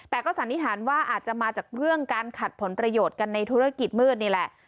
แต่ก็สันนิษฐานว่าอาจจะมาจากเรื่องการขัดผลประโยชน์กันในธุรกิจมืดนี่แหละ